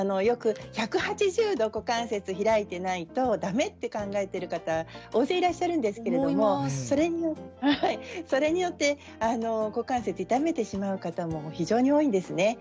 よく１８０度股関節を開いていないとだめと考えている方、大勢いらっしゃるんですけれどそれによって股関節を痛めてしまう方も非常に多いんですね。